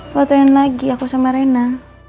fotoin lagi aku sama rena